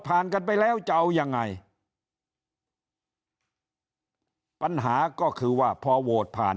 กันไปแล้วจะเอายังไงปัญหาก็คือว่าพอโหวตผ่าน